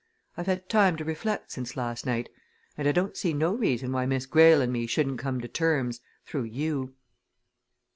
I've had time to reflect since last night and I don't see no reason why Miss Greyle and me shouldn't come to terms through you."